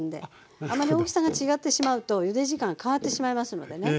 あんまり大きさが違ってしまうとゆで時間変わってしまいますのでね。